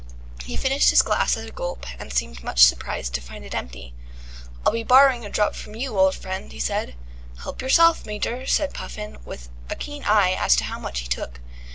He finished his glass at a gulp, and seemed much surprised to find it empty. "I'll be borrowing a drop from you, old friend," he said. "Help yourself, Major," said Puffin, with a keen eye as to how much he took.